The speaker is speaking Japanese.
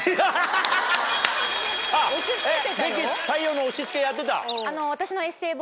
太陽の押し付けやってた？